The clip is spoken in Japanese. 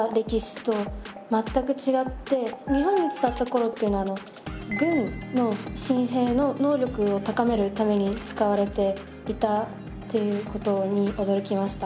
日本に伝わった頃っていうのは軍の新兵の能力を高めるために使われていたっていうことに驚きました。